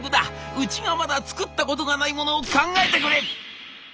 うちがまだ作ったことがないものを考えてくれ！」。